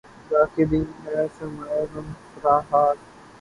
خدا کی دین ہے سرمایۂ غم فرہاد